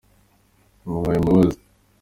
muhaye imbabazi.